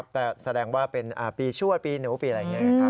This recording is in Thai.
แต่แสดงว่าเป็นปีชั่วปีหนูปีอะไรอย่างนี้ครับ